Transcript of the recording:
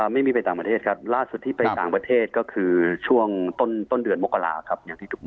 ไม่มีไปต่างประเทศครับล่าสุดที่ไปต่างประเทศก็คือช่วงต้นเดือนมกราคับ